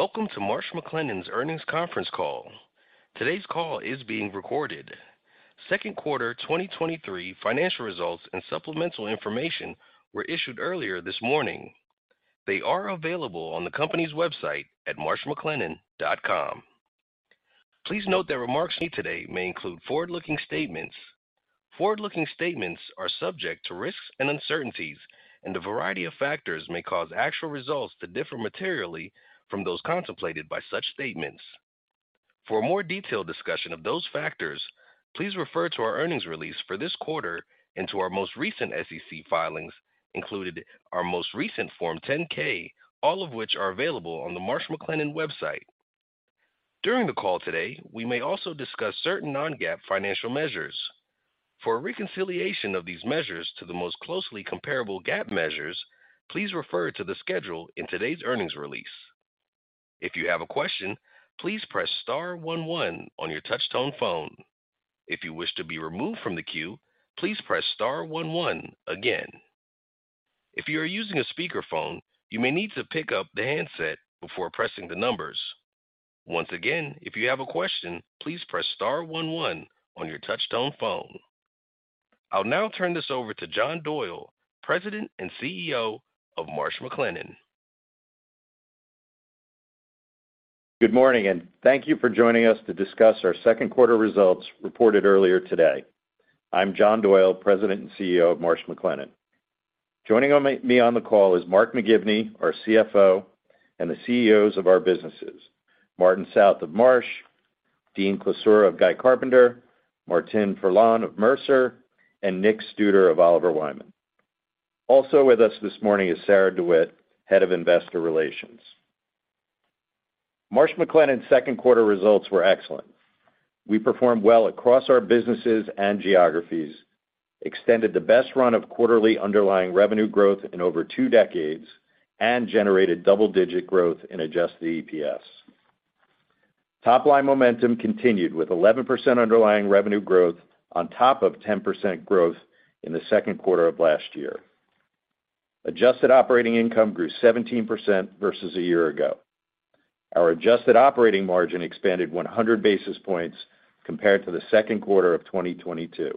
Welcome to Marsh McLennan's earnings conference call. Today's call is being recorded. Second quarter 2023 financial results and supplemental information were issued earlier this morning. They are available on the company's website at marshmclennan.com. Please note that remarks made today may include forward-looking statements. Forward-looking statements are subject to risks and uncertainties, and a variety of factors may cause actual results to differ materially from those contemplated by such statements. For a more detailed discussion of those factors, please refer to our earnings release for this quarter and to our most recent SEC filings, including our most recent Form 10-K, all of which are available on the Marsh McLennan website. During the call today, we may also discuss certain non-GAAP financial measures. For a reconciliation of these measures to the most closely comparable GAAP measures, please refer to the schedule in today's earnings release. If you have a question, please press star one one on your touchtone phone. If you wish to be removed from the queue, please press star one one again. If you are using a speakerphone, you may need to pick up the handset before pressing the numbers. Once again, if you have a question, please press star one one on your touchtone phone. I'll now turn this over to John Doyle, President and CEO of Marsh McLennan. Good morning, and thank you for joining us to discuss our second quarter results reported earlier today. I'm John Doyle, President and CEO of Marsh McLennan. Joining me on the call is Mark McGivney, our CFO, and the CEOs of our businesses, Martin South of Marsh, Dean Klisura of Guy Carpenter, Martine Ferland of Mercer, and Nick Studer of Oliver Wyman. Also with us this morning is Sarah DeWitt, Head of Investor Relations. Marsh McLennan's second quarter results were excellent. We performed well across our businesses and geographies, extended the best run of quarterly underlying revenue growth in over two decades, and generated double-digit growth in adjusted EPS. Top-line momentum continued, with 11% underlying revenue growth on top of 10% growth in the second quarter of last year. Adjusted operating income grew 17% versus a year ago. Our adjusted operating margin expanded 100 basis points compared to the second quarter of 2022,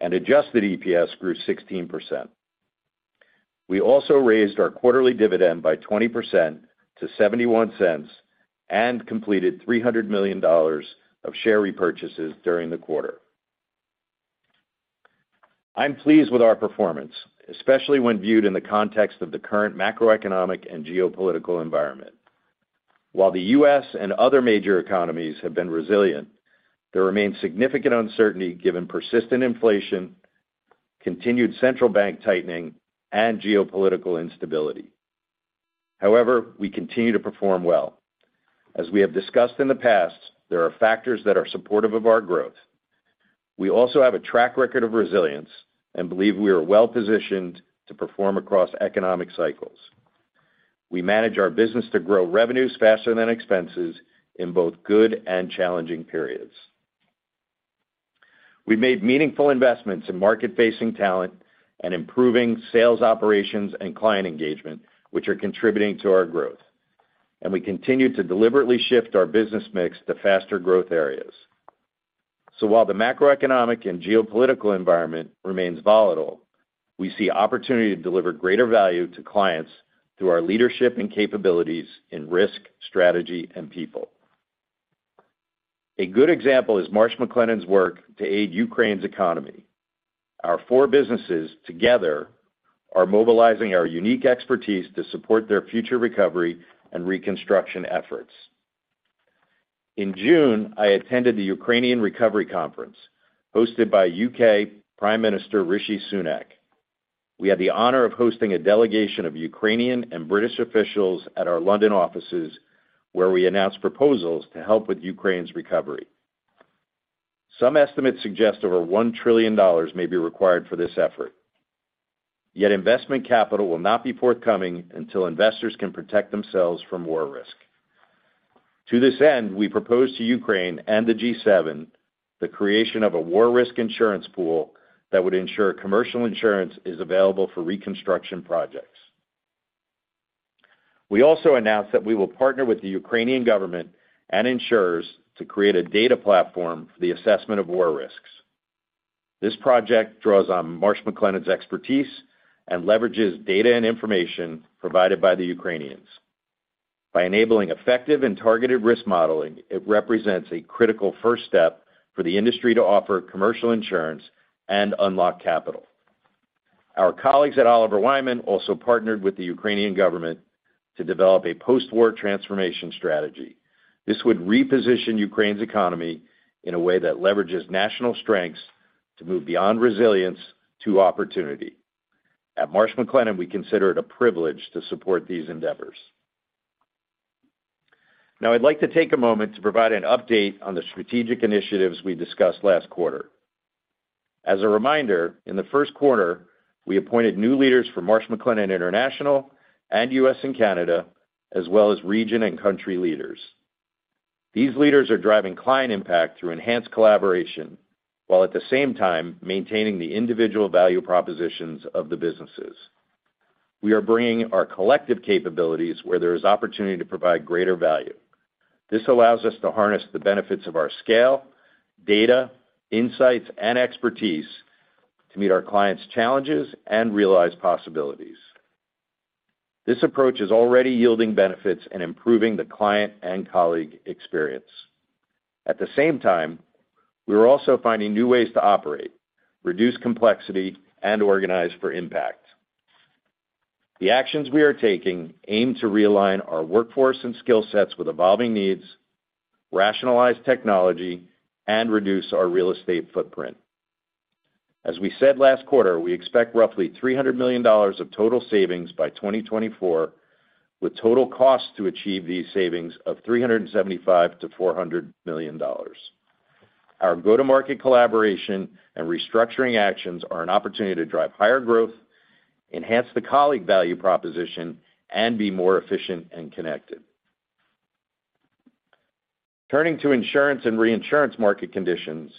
and adjusted EPS grew 16%. We also raised our quarterly dividend by 20% to $0.71 and completed $300 million of share repurchases during the quarter. I'm pleased with our performance, especially when viewed in the context of the current macroeconomic and geopolitical environment. While the U.S. and other major economies have been resilient, there remains significant uncertainty given persistent inflation, continued central bank tightening, and geopolitical instability. However, we continue to perform well. As we have discussed in the past, there are factors that are supportive of our growth. We also have a track record of resilience and believe we are well-positioned to perform across economic cycles. We manage our business to grow revenues faster than expenses in both good and challenging periods. We've made meaningful investments in market-facing talent and improving sales operations and client engagement, which are contributing to our growth. We continue to deliberately shift our business mix to faster growth areas. While the macroeconomic and geopolitical environment remains volatile, we see opportunity to deliver greater value to clients through our leadership and capabilities in risk, strategy, and people. A good example is Marsh McLennan's work to aid Ukraine's economy. Our four businesses together are mobilizing our unique expertise to support their future recovery and reconstruction efforts. In June, I attended the Ukraine Recovery Conference, hosted by U.K. Prime Minister Rishi Sunak. We had the honor of hosting a delegation of Ukrainian and British officials at our London offices, where we announced proposals to help with Ukraine's recovery. Some estimates suggest over $1 trillion may be required for this effort, yet investment capital will not be forthcoming until investors can protect themselves from war risk. To this end, we proposed to Ukraine and the G7, the creation of a war risk insurance pool that would ensure commercial insurance is available for reconstruction projects. We also announced that we will partner with the Ukrainian government and insurers to create a data platform for the assessment of war risks. This project draws on Marsh McLennan's expertise and leverages data and information provided by the Ukrainians. By enabling effective and targeted risk modeling, it represents a critical first step for the industry to offer commercial insurance and unlock capital. Our colleagues at Oliver Wyman also partnered with the Ukrainian government to develop a post-war transformation strategy. This would reposition Ukraine's economy in a way that leverages national strengths to move beyond resilience to opportunity. At Marsh McLennan, we consider it a privilege to support these endeavors. Now, I'd like to take a moment to provide an update on the strategic initiatives we discussed last quarter. As a reminder, in the first quarter, we appointed new leaders for Marsh McLennan International and U.S. and Canada, as well as region and country leaders.... These leaders are driving client impact through enhanced collaboration, while at the same time, maintaining the individual value propositions of the businesses. We are bringing our collective capabilities where there is opportunity to provide greater value. This allows us to harness the benefits of our scale, data, insights, and expertise to meet our clients' challenges and realize possibilities. This approach is already yielding benefits and improving the client and colleague experience. At the same time, we are also finding new ways to operate, reduce complexity, and organize for impact. The actions we are taking aim to realign our workforce and skill sets with evolving needs, rationalize technology, and reduce our real estate footprint. As we said last quarter, we expect roughly $300 million of total savings by 2024, with total costs to achieve these savings of $375 million-$400 million. Our go-to-market collaboration and restructuring actions are an opportunity to drive higher growth, enhance the colleague value proposition, and be more efficient and connected. Turning to insurance and reinsurance market conditions,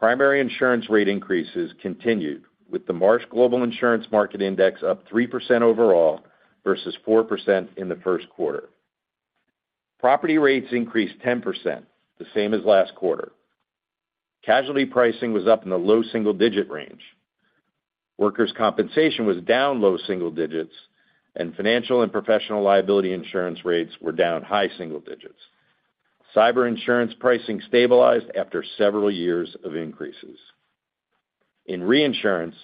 primary insurance rate increases continued, with the Marsh Global Insurance Market Index up 3% overall versus 4% in the first quarter. Property rates increased 10%, the same as last quarter. Casualty pricing was up in the low single-digit range. Workers' compensation was down low single digits. Financial and professional liability insurance rates were down high single digits. Cyber insurance pricing stabilized after several years of increases. In reinsurance,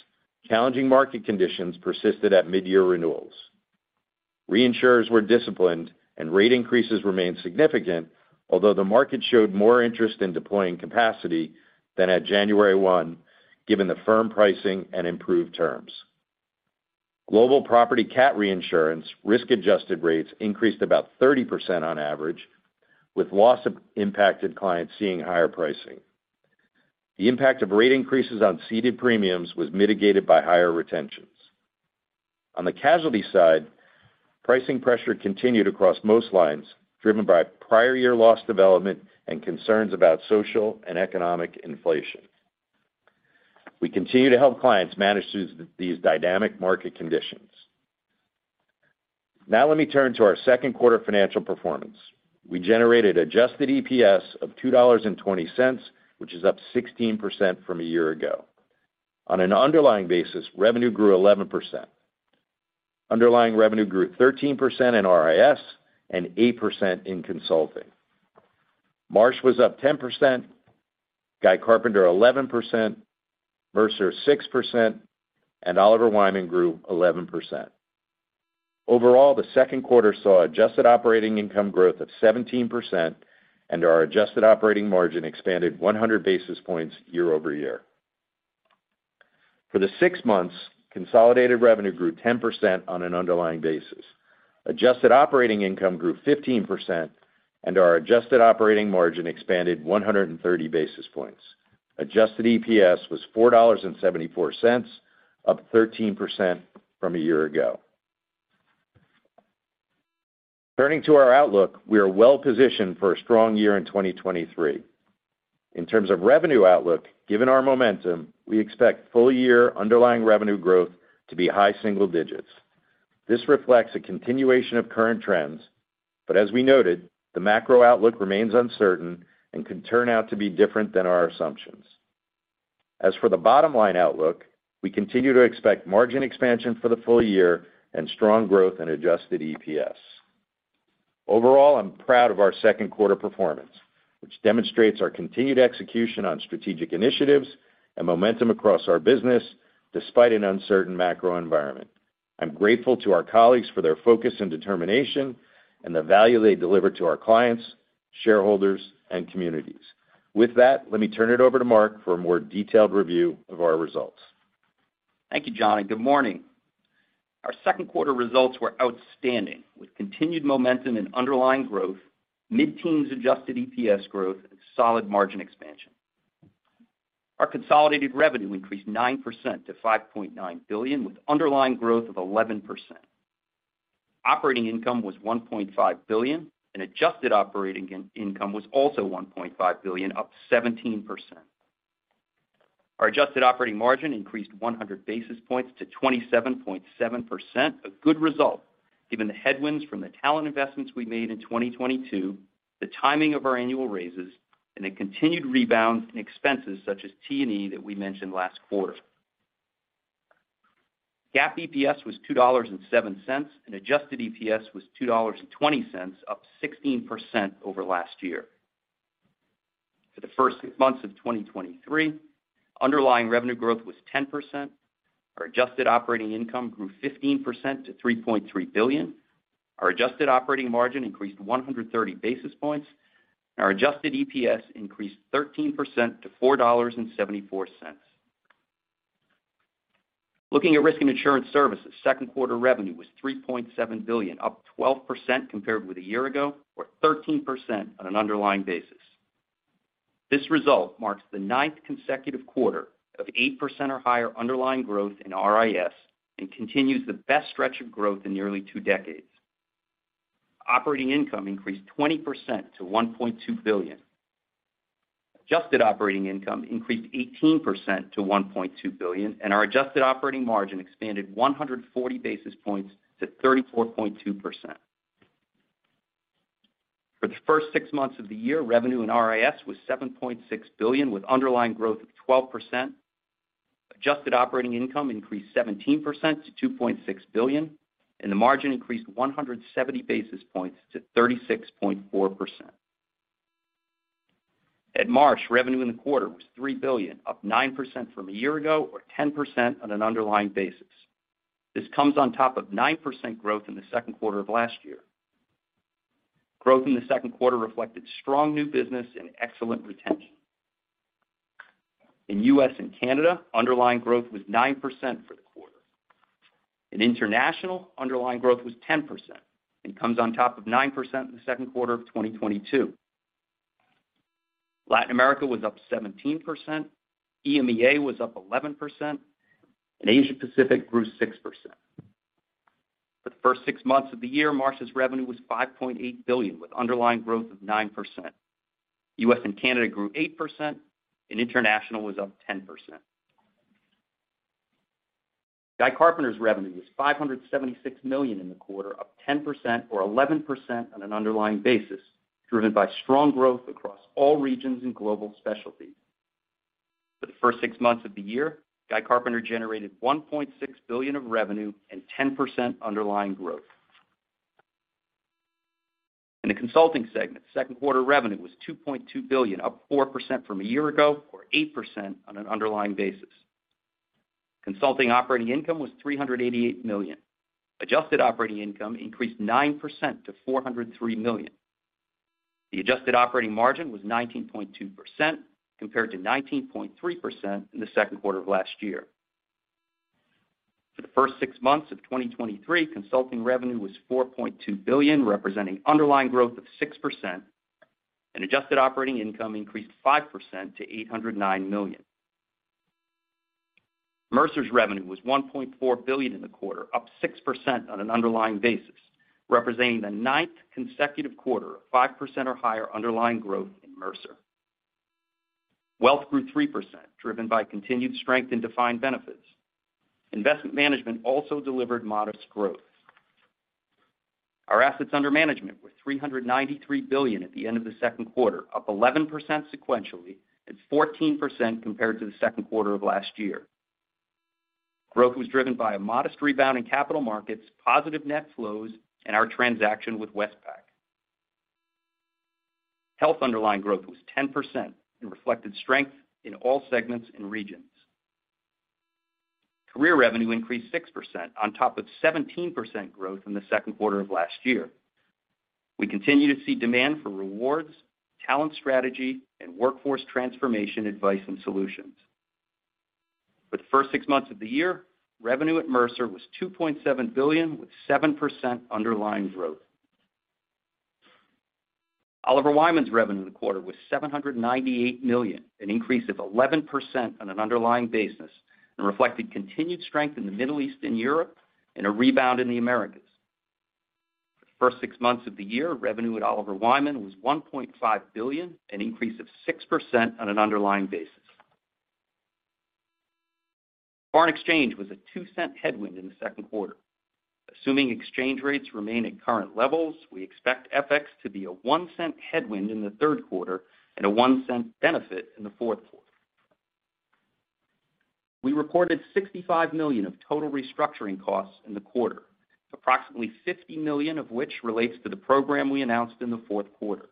challenging market conditions persisted at midyear renewals. Reinsurers were disciplined, and rate increases remained significant, although the market showed more interest in deploying capacity than at January 1, given the firm pricing and improved terms. Global property cat reinsurance risk-adjusted rates increased about 30% on average, with loss of impacted clients seeing higher pricing. The impact of rate increases on ceded premiums was mitigated by higher retentions. On the casualty side, pricing pressure continued across most lines, driven by prior year loss development and concerns about social and economic inflation. We continue to help clients manage through these dynamic market conditions. Let me turn to our second quarter financial performance. We generated adjusted EPS of $2.20, which is up 16% from a year ago. On an underlying basis, revenue grew 11%. Underlying revenue grew 13% in RIS and 8% in consulting. Marsh was up 10%, Guy Carpenter, 11%, Mercer, 6%, and Oliver Wyman grew 11%. Overall, the second quarter saw adjusted operating income growth of 17%, and our adjusted operating margin expanded 100 basis points year-over-year. For the six months, consolidated revenue grew 10% on an underlying basis. Adjusted operating income grew 15%, and our adjusted operating margin expanded 130 basis points. Adjusted EPS was $4.74, up 13% from a year ago. Turning to our outlook, we are well positioned for a strong year in 2023. In terms of revenue outlook, given our momentum, we expect full-year underlying revenue growth to be high single digits. This reflects a continuation of current trends, but as we noted, the macro outlook remains uncertain and can turn out to be different than our assumptions. As for the bottom line outlook, we continue to expect margin expansion for the full year and strong growth in adjusted EPS. Overall, I'm proud of our second quarter performance, which demonstrates our continued execution on strategic initiatives and momentum across our business, despite an uncertain macro environment. I'm grateful to our colleagues for their focus and determination and the value they deliver to our clients, shareholders, and communities. With that, let me turn it over to Mark for a more detailed review of our results. Thank you, John. Good morning. Our second quarter results were outstanding, with continued momentum and underlying growth, mid-teens adjusted EPS growth, and solid margin expansion. Our consolidated revenue increased 9% to $5.9 billion, with underlying growth of 11%. Operating income was $1.5 billion, and adjusted operating income was also $1.5 billion, up 17%. Our adjusted operating margin increased 100 basis points to 27.7%, a good result, given the headwinds from the talent investments we made in 2022, the timing of our annual raises, and a continued rebound in expenses such as T&E that we mentioned last quarter. GAAP EPS was $2.07, and adjusted EPS was $2.20, up 16% over last year. For the first six months of 2023, underlying revenue growth was 10%, our adjusted operating income grew 15% to $3.3 billion, our adjusted operating margin increased 130 basis points, and our adjusted EPS increased 13% to $4.74. Looking at risk and insurance services, second quarter revenue was $3.7 billion, up 12% compared with a year ago, or 13% on an underlying basis. This result marks the 9th consecutive quarter of 8% or higher underlying growth in RIS and continues the best stretch of growth in nearly two decades. Operating income increased 20% to $1.2 billion. Adjusted operating income increased 18% to $1.2 billion, and our adjusted operating margin expanded 140 basis points to 34.2%. For the first six months of the year, revenue in RIS was $7.6 billion, with underlying growth of 12%. Adjusted operating income increased 17% to $2.6 billion, and the margin increased 170 basis points to 36.4%. At Marsh, revenue in the quarter was $3 billion, up 9% from a year ago, or 10% on an underlying basis. This comes on top of 9% growth in the second quarter of last year. Growth in the second quarter reflected strong new business and excellent retention. In U.S. and Canada, underlying growth was 9% for the quarter. In international, underlying growth was 10% and comes on top of 9% in the second quarter of 2022. Latin America was up 17%, EMEA was up 11%, and Asia Pacific grew 6%. For the first six months of the year, Marsh's revenue was $5.8 billion, with underlying growth of 9%. U.S. and Canada grew 8%, and international was up 10%. Guy Carpenter's revenue was $576 million in the quarter, up 10% or 11% on an underlying basis, driven by strong growth across all regions in Global Specialty. For the first six months of the year, Guy Carpenter generated $1.6 billion of revenue and 10% underlying growth. In the consulting segment, second quarter revenue was $2.2 billion, up 4% from a year ago, or 8% on an underlying basis. Consulting operating income was $388 million. adjusted operating income increased 9% to $403 million. The adjusted operating margin was 19.2%, compared to 19.3% in the second quarter of last year. For the first six months of 2023, consulting revenue was $4.2 billion, representing underlying growth of 6%, and adjusted operating income increased 5% to $809 million. Mercer's revenue was $1.4 billion in the quarter, up 6% on an underlying basis, representing the ninth consecutive quarter of 5% or higher underlying growth in Mercer. Wealth grew 3%, driven by continued strength in defined benefits. Investment management also delivered modest growth. Our assets under management were $393 billion at the end of the second quarter, up 11% sequentially, and 14% compared to the second quarter of last year. Growth was driven by a modest rebound in capital markets, positive net flows, and our transaction with Westpac. Health underlying growth was 10% and reflected strength in all segments and regions. Career revenue increased 6% on top of 17% growth in the second quarter of last year. We continue to see demand for rewards, talent strategy, and workforce transformation advice and solutions. For the first six months of the year, revenue at Mercer was $2.7 billion, with 7% underlying growth. Oliver Wyman's revenue in the quarter was $798 million, an increase of 11% on an underlying basis, and reflected continued strength in the Middle East and Europe and a rebound in the Americas. For the first six months of the year, revenue at Oliver Wyman was $1.5 billion, an increase of 6% on an underlying basis. Foreign exchange was a $0.02 headwind in the second quarter. Assuming exchange rates remain at current levels, we expect FX to be a $0.01 headwind in the third quarter and a $0.01 benefit in the fourth quarter. We reported $65 million of total restructuring costs in the quarter, approximately $50 million of which relates to the program we announced in the fourth quarter.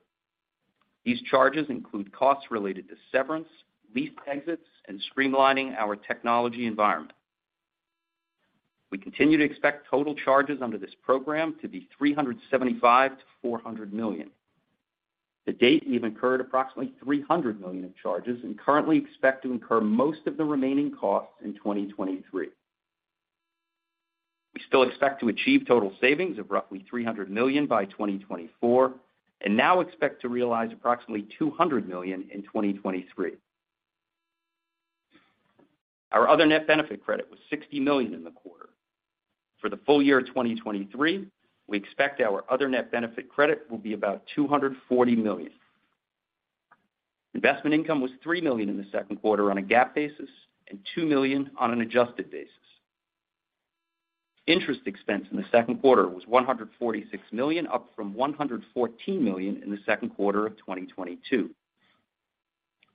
These charges include costs related to severance, lease exits, and streamlining our technology environment. We continue to expect total charges under this program to be $375 million-$400 million. To date, we've incurred approximately $300 million in charges and currently expect to incur most of the remaining costs in 2023. We still expect to achieve total savings of roughly $300 million by 2024 and now expect to realize approximately $200 million in 2023. Our other net benefit credit was $60 million in the quarter. For the full year of 2023, we expect our other net benefit credit will be about $240 million. Investment income was $3 million in the second quarter on a GAAP basis and $2 million on an adjusted basis. Interest expense in the second quarter was $146 million, up from $114 million in the second quarter of 2022.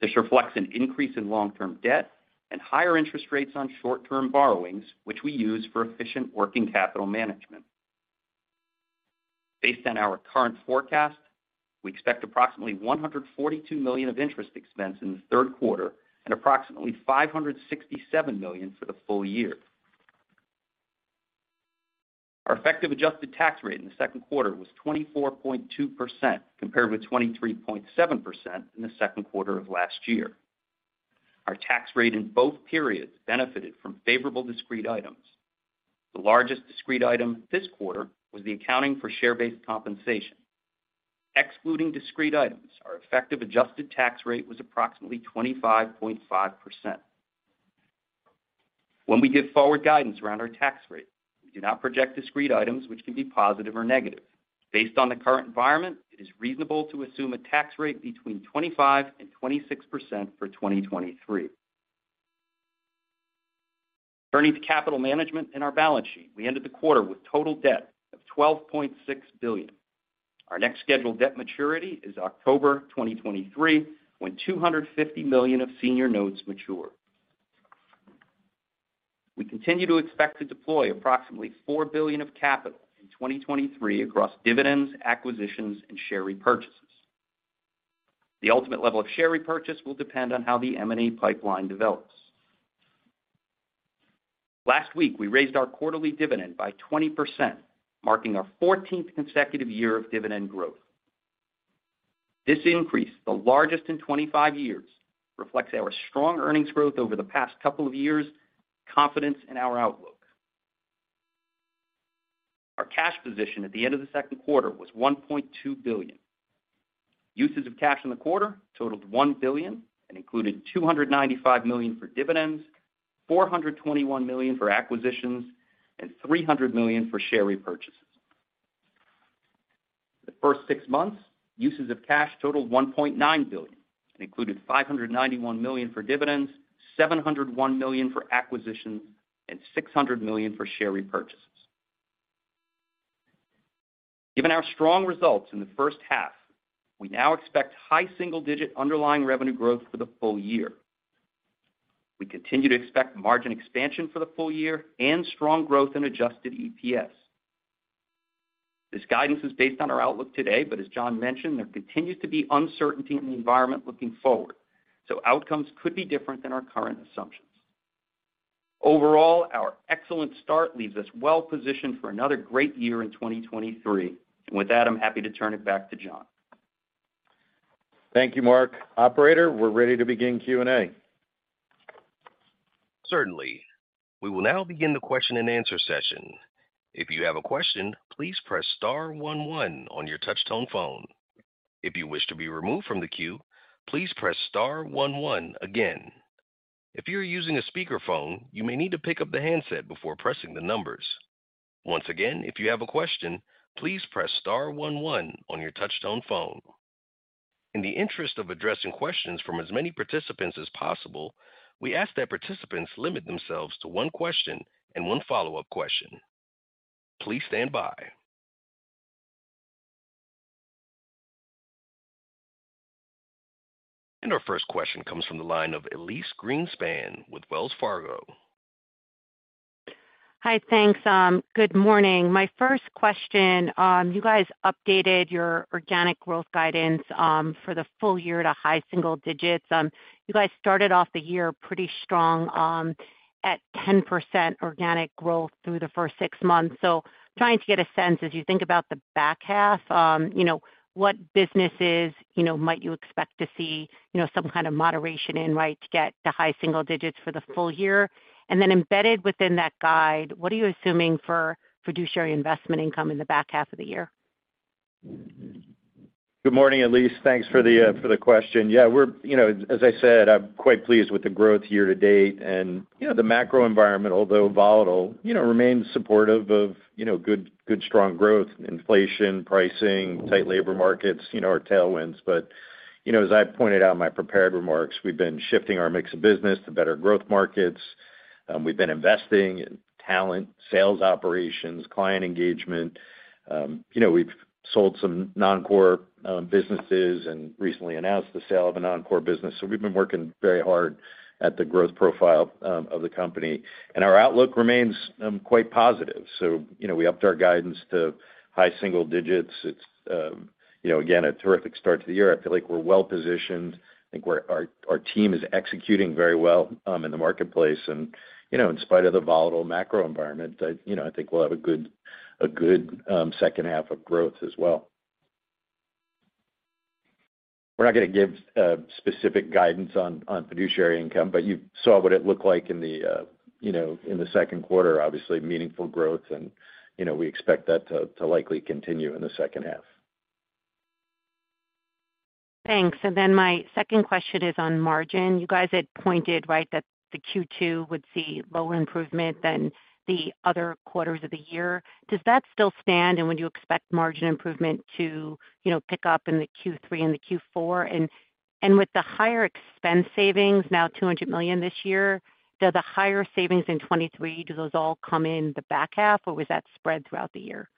This reflects an increase in long-term debt and higher interest rates on short-term borrowings, which we use for efficient working capital management. Based on our current forecast, we expect approximately $142 million of interest expense in the third quarter and approximately $567 million for the full year. Our effective adjusted tax rate in the second quarter was 24.2%, compared with 23.7% in the second quarter of last year. Our tax rate in both periods benefited from favorable discrete items. The largest discrete item this quarter was the accounting for share-based compensation. Excluding discrete items, our effective adjusted tax rate was approximately 25.5%. When we give forward guidance around our tax rate, we do not project discrete items, which can be positive or negative. Based on the current environment, it is reasonable to assume a tax rate between 25% and 26% for 2023. Turning to capital management and our balance sheet, we ended the quarter with total debt of $12.6 billion. Our next scheduled debt maturity is October 2023, when $250 million of senior notes mature. We continue to expect to deploy approximately $4 billion of capital in 2023 across dividends, acquisitions, and share repurchases. The ultimate level of share repurchase will depend on how the M&A pipeline develops. Last week, we raised our quarterly dividend by 20%, marking our 14th consecutive year of dividend growth. This increase, the largest in 25 years, reflects our strong earnings growth over the past couple of years, confidence in our outlook. Our cash position at the end of the second quarter was $1.2 billion. Uses of cash in the quarter totaled $1 billion and included $295 million for dividends, $421 million for acquisitions, and $300 million for share repurchases. The first six months, uses of cash totaled $1.9 billion and included $591 million for dividends, $701 million for acquisitions, and $600 million for share repurchases. Given our strong results in the first half, we now expect high single-digit underlying revenue growth for the full year. We continue to expect margin expansion for the full year and strong growth in adjusted EPS. This guidance is based on our outlook today, but as John mentioned, there continues to be uncertainty in the environment looking forward, so outcomes could be different than our current assumptions. Overall, our excellent start leaves us well positioned for another great year in 2023. With that, I'm happy to turn it back to John. Thank you, Mark. Operator, we're ready to begin Q&A. Certainly. We will now begin the question-and-answer session. If you have a question, please press star one one on your touchtone phone. If you wish to be removed from the queue, please press star one one again. If you are using a speakerphone, you may need to pick up the handset before pressing the numbers. Once again, if you have a question, please press star one one on your touchtone phone. In the interest of addressing questions from as many participants as possible, we ask that participants limit themselves to one question and one follow-up question. Please stand by. Our first question comes from the line of Elyse Greenspan with Wells Fargo. Hi, thanks. Good morning. My first question, you guys updated your organic growth guidance for the full year to high single digits. You guys started off the year pretty strong at 10% organic growth through the first six months. Trying to get a sense, as you think about the back half, you know, what businesses, you know, might you expect to see, you know, some kind of moderation in, right, to get to high single digits for the full year? Embedded within that guide, what are you assuming for fiduciary investment income in the back half of the year? Good morning, Elyse. Thanks for the for the question. You know, as I said, I'm quite pleased with the growth year-to-date. You know, the macro environment, although volatile, you know, remains supportive of, you know, good strong growth, inflation, pricing, tight labor markets, you know, our tailwinds. You know, as I pointed out in my prepared remarks, we've been shifting our mix of business to better growth markets. We've been investing in talent, sales operations, client engagement. You know, we've sold some non-core businesses and recently announced the sale of a non-core business. We've been working very hard at the growth profile of the company, and our outlook remains quite positive. You know, we upped our guidance to high single digits. It's, you know, again, a terrific start to the year. I feel like we're well positioned. I think our team is executing very well in the marketplace. You know, in spite of the volatile macro environment, I, you know, I think we'll have a good second half of growth as well. We're not going to give specific guidance on fiduciary income, but you saw what it looked like in the, you know, in the second quarter, obviously meaningful growth, and, you know, we expect that to likely continue in the second half. Thanks. My second question is on margin. You guys had pointed, right, that the Q2 would see lower improvement than the other quarters of the year. Does that still stand, and would you expect margin improvement to, you know, pick up in the Q3 and the Q4? With the higher expense savings, now $200 million this year, do the higher savings in 2023, do those all come in the back half, or was that spread throughout the year?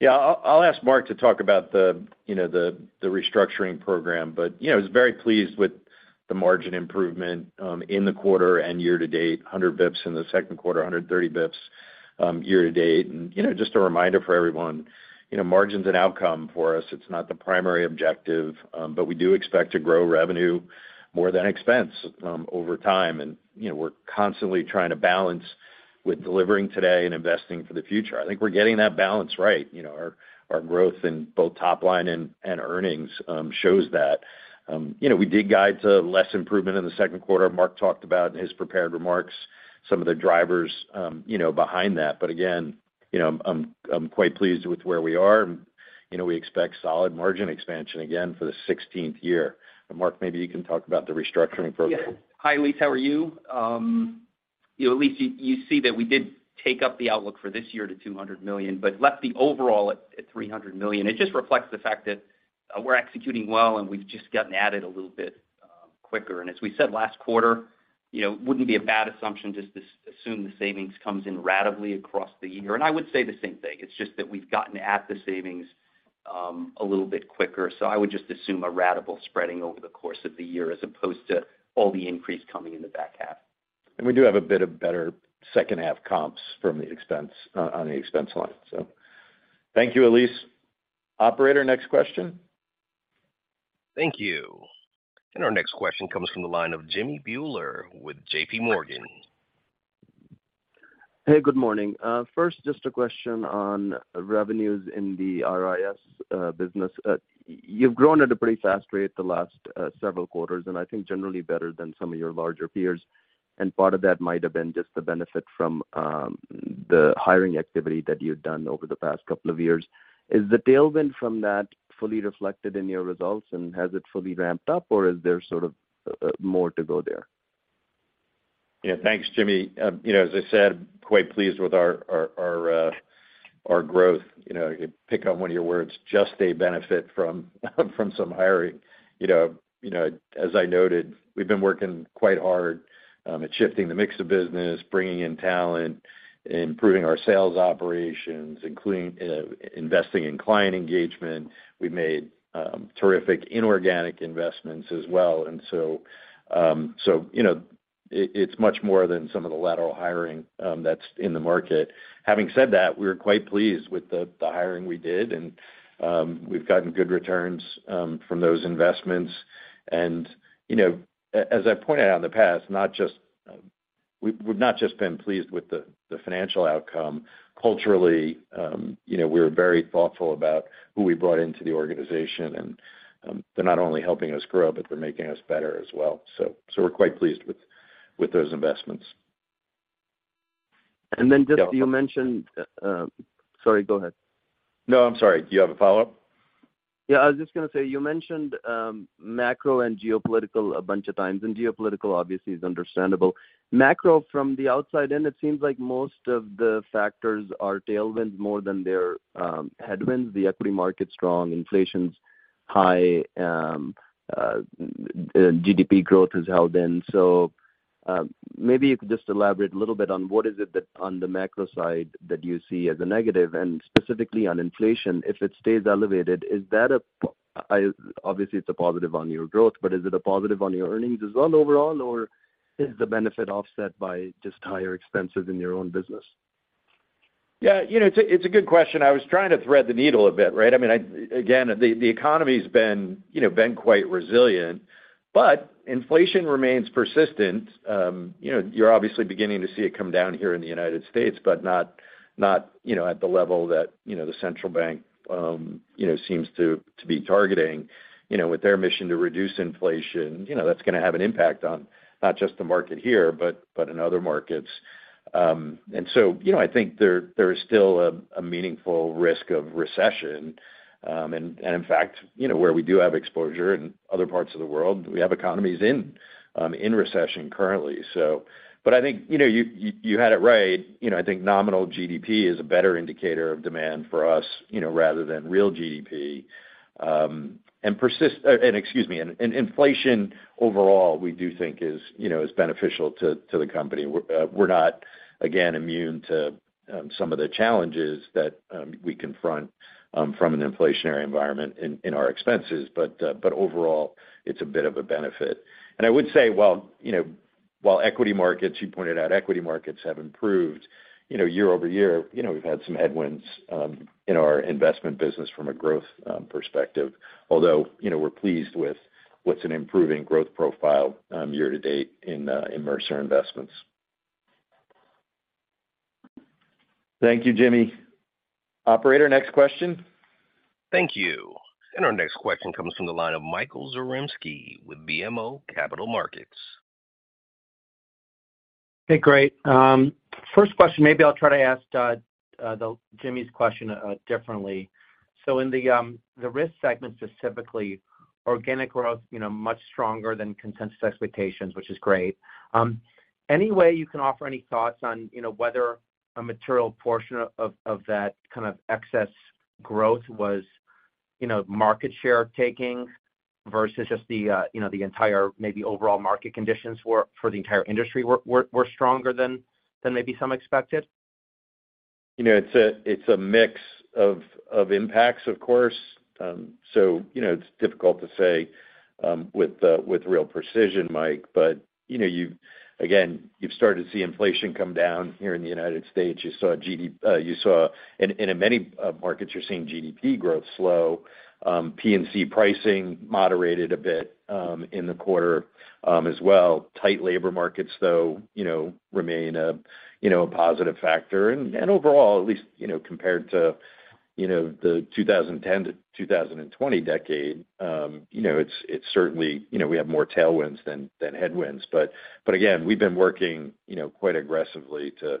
Yeah, I'll ask Mark to talk about the, you know, the restructuring program. You know, I was very pleased with the margin improvement in the quarter and year-to-date, 100 basis points in the second quarter, 130 basis points year-to-date. You know, just a reminder for everyone, you know, margin's an outcome for us. It's not the primary objective, but we do expect to grow revenue more than expense over time. You know, we're constantly trying to balance with delivering today and investing for the future. I think we're getting that balance right. You know, our growth in both top line and earnings shows that. You know, we did guide to less improvement in the second quarter. Mark talked about in his prepared remarks, some of the drivers, you know, behind that. Again... You know, I'm quite pleased with where we are. You know, we expect solid margin expansion again for the 16th year. Mark, maybe you can talk about the restructuring program. Yes. Hi, Elyse, how are you? you know, Elyse, you see that we did take up the outlook for this year to $200 million, but left the overall at $300 million. It just reflects the fact that we're executing well, and we've just gotten at it a little bit quicker. As we said last quarter, you know, wouldn't be a bad assumption just to assume the savings comes in ratably across the year. I would say the same thing. It's just that we've gotten at the savings a little bit quicker. I would just assume a ratable spreading over the course of the year, as opposed to all the increase coming in the back half. We do have a bit of better second half comps from the expense on the expense line, so. Thank you, Elyse. Operator, next question? Thank you. Our next question comes from the line of Jimmy Bhullar with JPMorgan. Hey, good morning. First, just a question on revenues in the RIS business. You've grown at a pretty fast rate the last several quarters, and I think generally better than some of your larger peers, and part of that might have been just the benefit from the hiring activity that you've done over the past couple of years. Is the tailwind from that fully reflected in your results, and has it fully ramped up, or is there sort of more to go there? Yeah, thanks, Jimmy. You know, as I said, quite pleased with our growth. You know, to pick up one of your words, just a benefit from some hiring. You know, as I noted, we've been working quite hard at shifting the mix of business, bringing in talent, improving our sales operations, including investing in client engagement. We've made terrific inorganic investments as well. You know, it's much more than some of the lateral hiring that's in the market. Having said that, we're quite pleased with the hiring we did, and we've gotten good returns from those investments. You know, as I've pointed out in the past, we've not just been pleased with the financial outcome. Culturally, you know, we're very thoughtful about who we brought into the organization, and they're not only helping us grow, but they're making us better as well. We're quite pleased with those investments. Just- Yeah. you mentioned, sorry, go ahead. No, I'm sorry. Do you have a follow-up? I was just going to say, you mentioned macro and geopolitical a bunch of times, and geopolitical obviously is understandable. Macro from the outside in, it seems like most of the factors are tailwinds more than they're headwinds. The equity market's strong, inflation's high, GDP growth has held in. Maybe you could just elaborate a little bit on what is it that on the macro side that you see as a negative? Specifically on inflation, if it stays elevated, is that a obviously, it's a positive on your growth, but is it a positive on your earnings as well overall, or is the benefit offset by just higher expenses in your own business? Yeah, you know, it's a good question. I was trying to thread the needle a bit, right? I mean, again, the economy's been, you know, quite resilient, but inflation remains persistent. You know, you're obviously beginning to see it come down here in the United States, but not, you know, at the level that, you know, the central bank, you know, seems to be targeting. You know, with their mission to reduce inflation, you know, that's going to have an impact on not just the market here, but in other markets. So, you know, I think there is still a meaningful risk of recession. In fact, you know, where we do have exposure in other parts of the world, we have economies in recession currently so... I think, you know, you had it right. You know, I think nominal GDP is a better indicator of demand for us, you know, rather than real GDP, and excuse me, and inflation overall, we do think is, you know, is beneficial to the company. We're not, again, immune to some of the challenges that we confront from an inflationary environment in our expenses, but overall, it's a bit of a benefit. I would say, while, you know, while equity markets, you pointed out, equity markets have improved, you know, year-over-year, you know, we've had some headwinds in our investment business from a growth perspective. Although, you know, we're pleased with what's an improving growth profile, year-to-date in Mercer Investments. Thank you, Jimmy. Operator, next question? Thank you. Our next question comes from the line of Michael Zaremski with BMO Capital Markets. Hey, great. First question, maybe I'll try to ask the Jimmy's question differently. In the risk segment, specifically, organic growth, you know, much stronger than consensus expectations, which is great. Any way you can offer any thoughts on, you know, whether a material portion of that kind of excess growth was, you know, market share taking versus just the, you know, the entire maybe overall market conditions for the entire industry were stronger than maybe some expected? You know, it's a, it's a mix of impacts, of course. You know, it's difficult to say with real precision, Mike. You know, again, you've started to see inflation come down here in the United States. You saw, and in many markets, you're seeing GDP growth slow. P&C pricing moderated a bit in the quarter as well. Tight labor markets, though, you know, remain a, you know, a positive factor. Overall, at least, you know, compared to, you know, the 2010 to 2020 decade, you know, it's certainly, you know, we have more tailwinds than headwinds. Again, we've been working, you know, quite aggressively to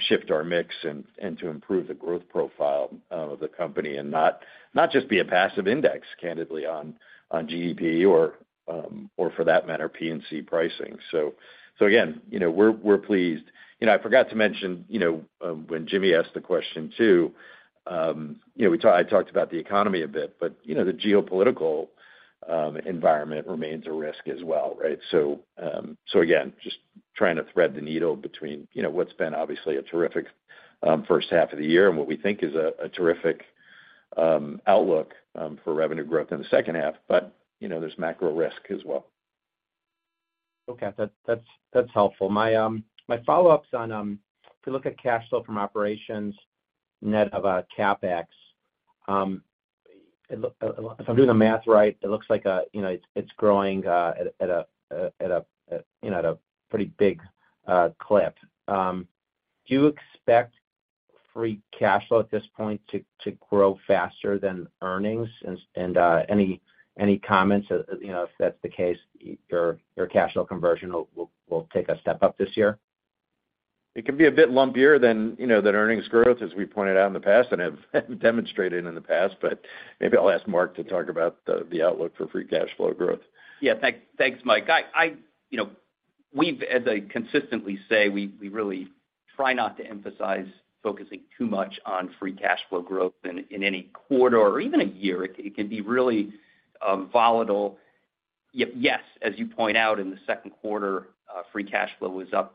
shift our mix and to improve the growth profile of the company, and not just be a passive index, candidly, on GDP or or for that matter, P&C pricing. Again, you know, we're pleased. You know, I forgot to mention, you know, when Jimmy asked the question, too, you know, I talked about the economy a bit, but, you know, the geopolitical environment remains a risk as well, right? Again, just trying to thread the needle between, you know, what's been obviously a terrific first half of the year and what we think is a terrific outlook for revenue growth in the second half. You know, there's macro risk as well. Okay. That's helpful. My follow-up's on, if you look at cash flow from operations, net of CapEx, if I'm doing the math right, it looks like, you know, it's growing at a, you know, at a pretty big clip. Do you expect free cash flow at this point to grow faster than earnings? Any comments, you know, if that's the case, your cash flow conversion will take a step up this year? It can be a bit lumpier than, you know, than earnings growth, as we pointed out in the past and have demonstrated in the past. Maybe I'll ask Mark to talk about the outlook for free cash flow growth. Yeah. Thanks, Mike. I, you know, we've, as I consistently say, we really try not to emphasize focusing too much on free cash flow growth in any quarter or even a year. It can be really volatile. Yep, yes, as you point out, in the second quarter, free cash flow was up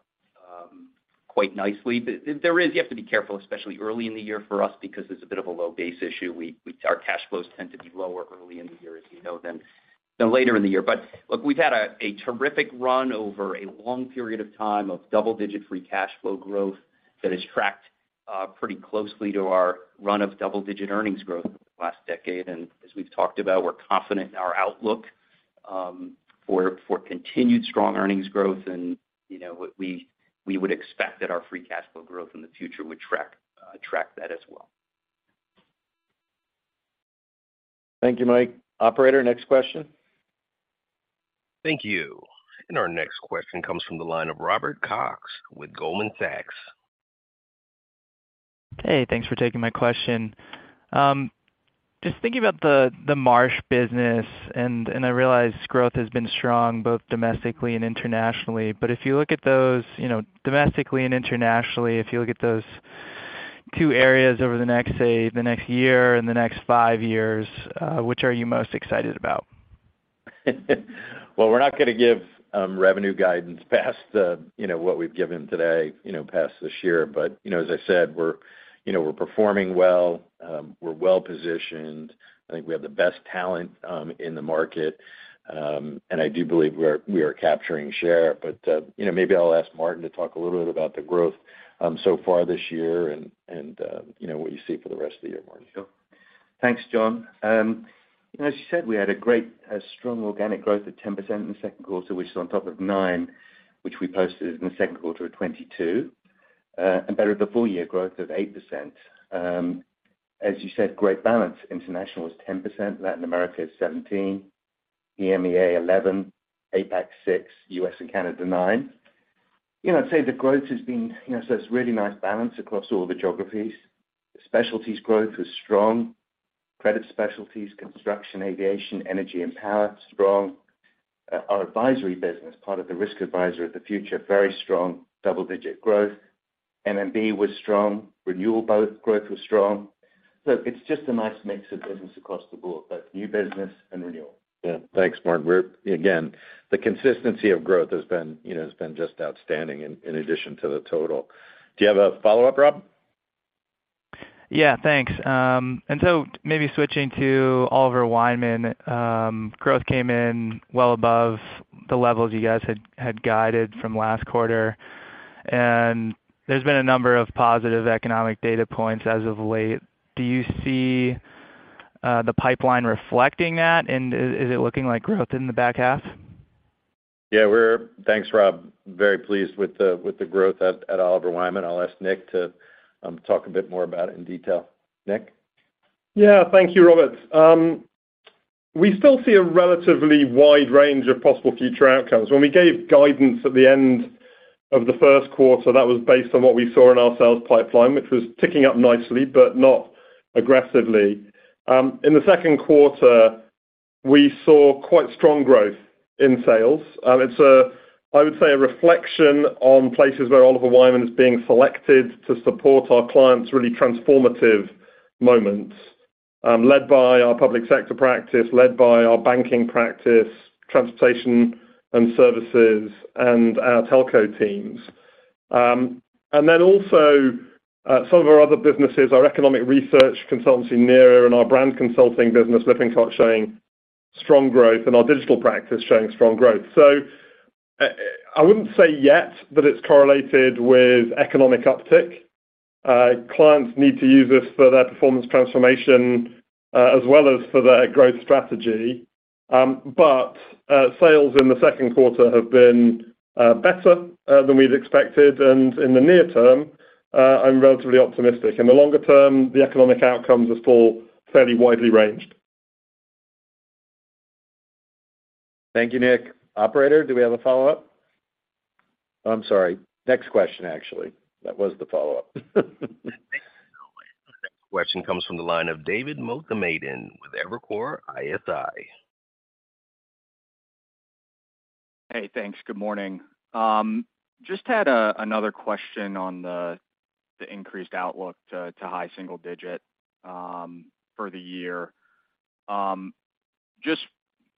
quite nicely. You have to be careful, especially early in the year for us, because there's a bit of a low base issue. Our cash flows tend to be lower early in the year, as you know, than later in the year. Look, we've had a terrific run over a long period of time of double-digit free cash flow growth that has tracked pretty closely to our run of double-digit earnings growth last decade. As we've talked about, we're confident in our outlook for continued strong earnings growth. You know, we would expect that our free cash flow growth in the future would track that as well. Thank you, Mike. Operator, next question. Thank you. Our next question comes from the line of Robert Cox with Goldman Sachs. Hey, thanks for taking my question. just thinking about the Marsh business, and I realize growth has been strong, both domestically and internationally. You know, domestically and internationally, if you look at those two areas over the next, say, the next one year and the next five years, which are you most excited about? Well, we're not going to give, revenue guidance past the, you know, what we've given today, you know, past this year. You know, as I said, we're, you know, we're performing well. We're well positioned. I think we have the best talent, in the market. I do believe we are, we are capturing share. You know, maybe I'll ask Martin to talk a little bit about the growth, so far this year, and, you know, what you see for the rest of the year, Martin. Sure. Thanks, John. As you said, we had a strong organic growth of 10% in the second quarter, which is on top of 9%, which we posted in the second quarter of 2022. Better the full year growth of 8%. As you said, great balance. International was 10%, Latin America is 17%, EMEA, 11%, APAC, 6%, U.S. and Canada, 9%. You know, I'd say the growth has been, so it's really nice balance across all the geographies. Specialties growth was strong. Credit specialties, construction, aviation, energy and power, strong. Our advisory business, part of the risk advisory of the future, very strong, double-digit growth. M&A was strong. Renewal both growth was strong. It's just a nice mix of business across the board, both new business and renewal. Yeah. Thanks, Martin. Again, the consistency of growth has been, you know, just outstanding in addition to the total. Do you have a follow-up, Rob? Yeah, thanks. Maybe switching to Oliver Wyman, growth came in well above the levels you guys had guided from last quarter. There's been a number of positive economic data points as of late. Do you see the pipeline reflecting that? Is it looking like growth in the back half? Yeah, Thanks, Rob. Very pleased with the growth at Oliver Wyman. I'll ask Nick to talk a bit more about it in detail. Nick? Yeah. Thank you, Robert. We still see a relatively wide range of possible future outcomes. When we gave guidance at the end of the first quarter, that was based on what we saw in our sales pipeline, which was ticking up nicely, but not aggressively. In the second quarter, we saw quite strong growth in sales. It's a, I would say, a reflection on places where Oliver Wyman is being selected to support our clients' really transformative moments, led by our public sector practice, led by our banking practice, transportation and services, and our telco teams. Also, some of our other businesses, our economic research consultancy, NERA, and our brand consulting business, Lippincott, showing strong growth, and our digital practice showing strong growth. I wouldn't say yet that it's correlated with economic uptick. Clients need to use this for their performance transformation, as well as for their growth strategy. Sales in the second quarter have been better than we'd expected. In the near term, I'm relatively optimistic. In the longer term, the economic outcomes are still fairly widely ranged. Thank you, Nick. Operator, do we have a follow-up? I'm sorry. Next question, actually. That was the follow-up. Thanks. The next question comes from the line of David Motemaden with Evercore ISI. Hey, thanks. Good morning. Just had another question on the increased outlook to high single digit for the year. Just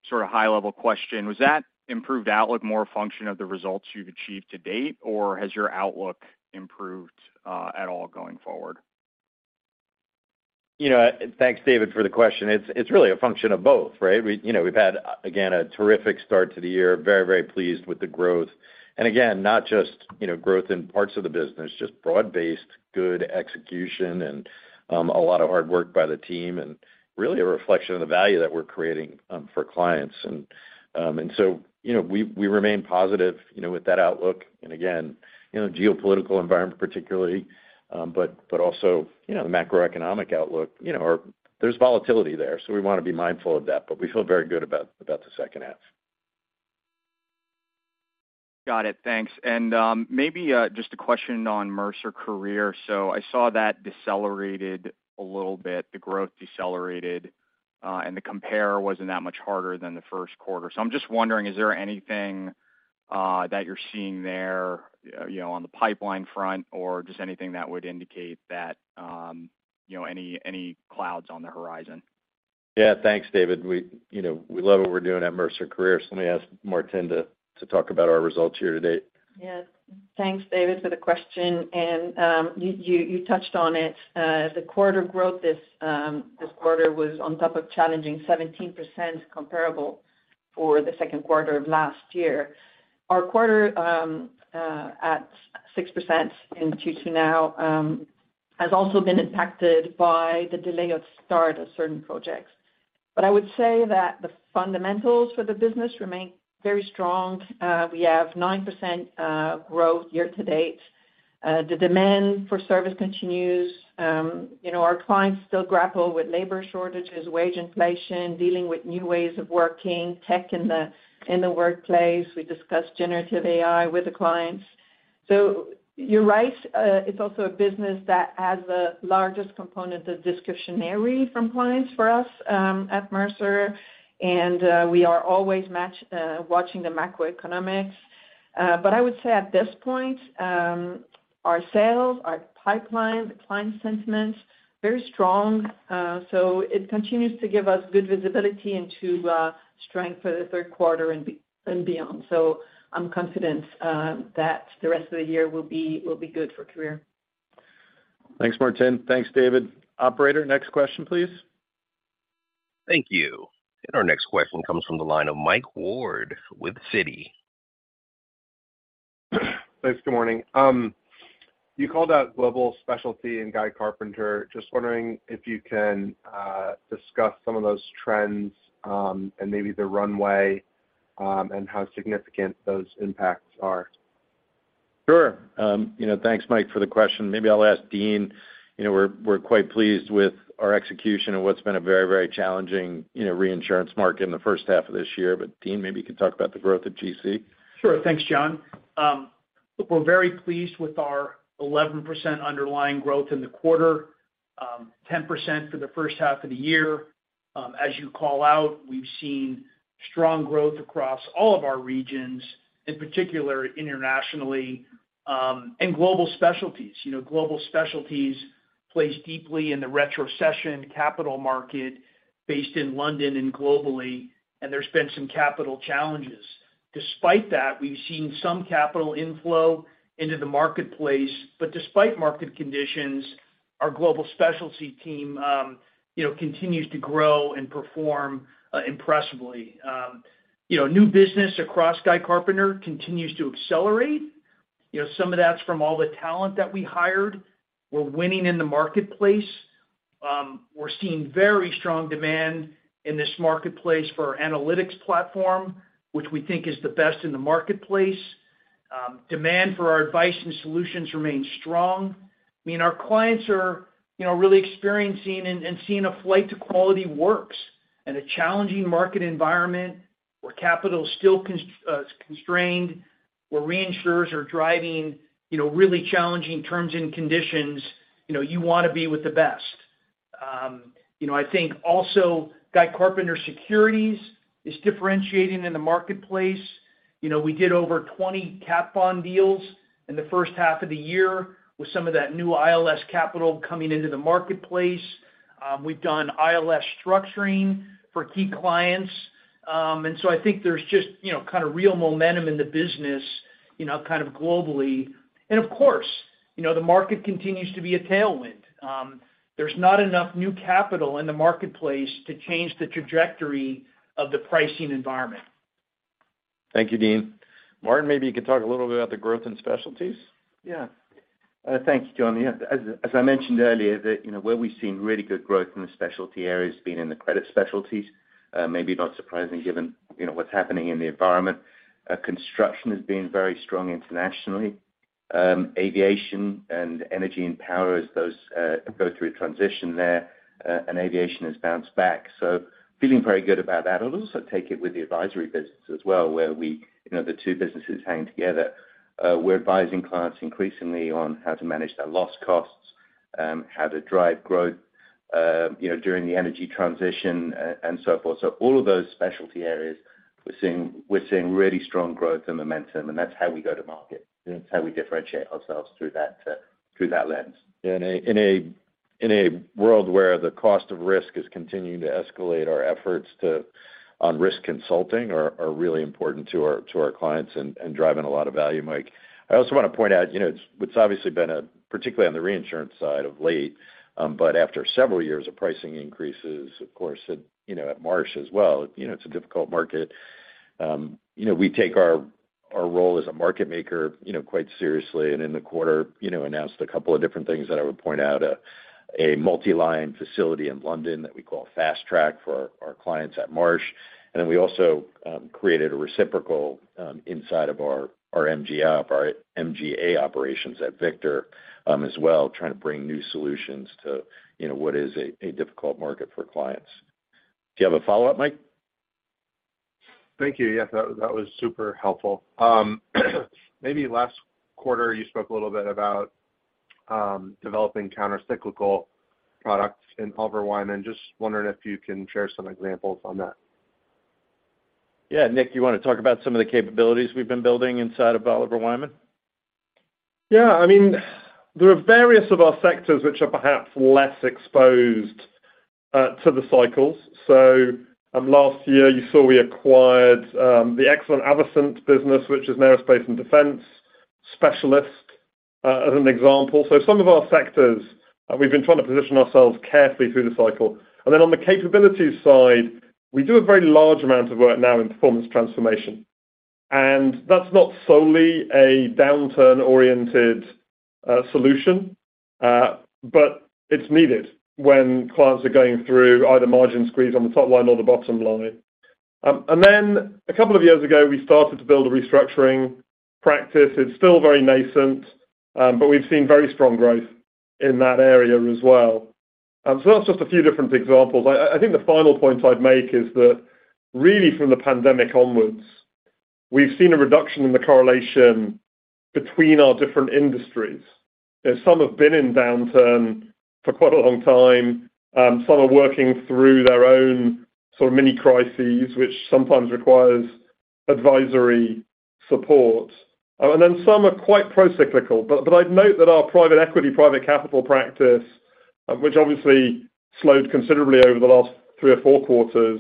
sort of high-level question: Was that improved outlook more a function of the results you've achieved to date, or has your outlook improved at all going forward? You know, thanks, David, for the question. It's really a function of both, right? We, you know, we've had, again, a terrific start to the year. Very pleased with the growth. Again, not just, you know, growth in parts of the business, just broad-based, good execution and a lot of hard work by the team, and really a reflection of the value that we're creating for clients. You know, we remain positive, you know, with that outlook. Again, you know, geopolitical environment, particularly, but also, you know, the macroeconomic outlook, you know, or there's volatility there, so we want to be mindful of that. We feel very good about the second half. Got it. Thanks. Maybe, just a question on Mercer Career. I saw that decelerated a little bit, the growth decelerated, and the compare wasn't that much harder than the first quarter. I'm just wondering, is there anything that you're seeing there, you know, on the pipeline front, or just anything that would indicate that, you know, any clouds on the horizon? Thanks, David. We, you know, we love what we're doing at Mercer Careers. Let me ask Martine to talk about our results here today. Yes. Thanks, David, for the question. You touched on it. The quarter growth this quarter was on top of challenging 17% comparable for the second quarter of last year. Our quarter at 6% in 2022 now has also been impacted by the delay of start of certain projects. I would say that the fundamentals for the business remain very strong. We have 9% growth year-to-date. The demand for service continues. You know, our clients still grapple with labor shortages, wage inflation, dealing with new ways of working, tech in the workplace. We discuss generative AI with the clients. You're right, it's also a business that has the largest component of discretionary from clients for us, at Mercer, and we are always watching the macroeconomics. I would say at this point, our sales, our pipeline, the client sentiment, very strong. It continues to give us good visibility into strength for the third quarter and beyond. I'm confident that the rest of the year will be good for Career. Thanks, Martine. Thanks, David. Operator, next question, please. Thank you. Our next question comes from the line of Mike Ward with Citi. Thanks. Good morning. You called out Marsh Specialty and Guy Carpenter. Just wondering if you can discuss some of those trends, and maybe the runway, and how significant those impacts are? Sure. you know, thanks, Michael, for the question. Maybe I'll ask Dean. You know, we're quite pleased with our execution and what's been a very, very challenging, you know, reinsurance market in the first half of this year. Dean, maybe you could talk about the growth at GC. Sure. Thanks, John. We're very pleased with our 11% underlying growth in the quarter, 10% for the first half of the year. As you call out, we've seen strong growth across all of our regions, in particular, internationally, and global specialties. You know, global specialties plays deeply in the retrocession capital market based in London and globally, and there's been some capital challenges. Despite that, we've seen some capital inflow into the marketplace. Despite market conditions, our global specialty team, you know, continues to grow and perform impressively. You know, new business across Guy Carpenter continues to accelerate. You know, some of that's from all the talent that we hired. We're winning in the marketplace. We're seeing very strong demand in this marketplace for our analytics platform, which we think is the best in the marketplace. Demand for our advice and solutions remains strong. I mean, our clients are, you know, really experiencing and seeing a flight to quality works in a challenging market environment where capital is still constrained, where reinsurers are driving, you know, really challenging terms and conditions. You know, you want to be with the best. You know, I think also, Guy Carpenter Securities is differentiating in the marketplace. You know, we did over 20 cat bond deals in the first half of the year with some of that new ILS capital coming into the marketplace. We've done ILS structuring for key clients. I think there's just, you know, kind of real momentum in the business, you know, kind of globally. Of course, you know, the market continues to be a tailwind. There's not enough new capital in the marketplace to change the trajectory of the pricing environment. Thank you, Dean. Martin, maybe you could talk a little bit about the growth in specialties? Thank you, John. As I mentioned earlier, you know, where we've seen really good growth in the specialty area has been in the credit specialties. Maybe not surprising given, you know, what's happening in the environment. Construction has been very strong internationally. Aviation and energy and power as those go through a transition there, and aviation has bounced back. Feeling very good about that. I'll also take it with the advisory business as well, where we, you know, the two businesses hang together. We're advising clients increasingly on how to manage their loss costs, how to drive growth, you know, during the energy transition, and so forth. All of those specialty areas, we're seeing really strong growth and momentum, and that's how we go to market. That's how we differentiate ourselves through that, through that lens. In a world where the cost of risk is continuing to escalate, our efforts on risk consulting are really important to our clients and driving a lot of value, Mike. I also want to point out, you know, what's obviously been a, particularly on the reinsurance side of late. After several years of pricing increases, of course, at, you know, at Marsh as well, you know, it's a difficult market. You know, we take our role as a market maker, you know, quite seriously, and in the quarter, you know, announced a couple of different things that I would point out, a multi-line facility in London that we call Fast Track for our clients at Marsh. We also created a reciprocal inside of our MGA, our MGA operations at Victor, as well, trying to bring new solutions to, you know, what is a difficult market for clients. Do you have a follow-up, Mike? Thank you. Yes, that was super helpful. Maybe last quarter, you spoke a little bit about developing countercyclical products in Oliver Wyman. Just wondering if you can share some examples on that? Yeah, Nick, you want to talk about some of the capabilities we've been building inside of Oliver Wyman? I mean, there are various of our sectors which are perhaps less exposed to the cycles. Last year, you saw we acquired the excellent Avascent business, which is an aerospace and defense specialist, as an example. Some of our sectors, we've been trying to position ourselves carefully through the cycle. On the capabilities side, we do a very large amount of work now in performance transformation. That's not solely a downturn-oriented solution, but it's needed when clients are going through either margin squeeze on the top line or the bottom line. A couple of years ago, we started to build a restructuring practice. It's still very nascent, but we've seen very strong growth in that area as well. That's just a few different examples. I think the final point I'd make is that really, from the pandemic onwards, we've seen a reduction in the correlation between our different industries. You know, some have been in downturn for quite a long time, some are working through their own sort of mini crises, which sometimes requires advisory support. Then some are quite procyclical. I'd note that our private equity, private capital practice, which obviously slowed considerably over the last three or four quarters,